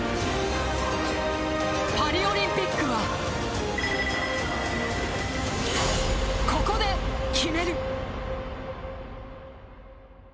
パリオリンピックはココで、決める。